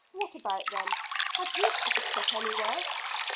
What about them? Had he a pocket book anywhere?"